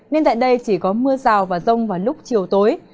nên tại đây chỉ có mưa rào và rông vào lúc chiều tối